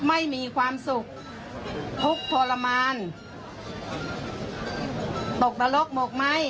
ไม่มีความสุขทุกข์ทรมานตกนรกหมกไหม